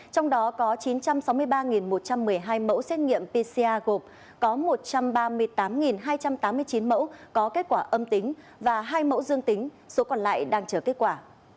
trong đó có chín trăm sáu mươi ba một trăm một mươi hai mẫu xét nghiệm pcr gồm có một trăm ba mươi tám hai trăm tám mươi chín mẫu có kết quả âm tính và hai mẫu dương tính số còn lại đang chờ kết quả